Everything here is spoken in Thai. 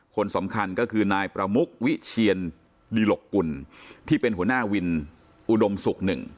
คนสำคัญก็คือนายประมุกวิเชียนดิหลกกุลที่เป็นหัวหน้าวินอุดมศุกร์๑